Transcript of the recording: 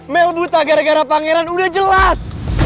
mel duta gara gara pangeran udah jelas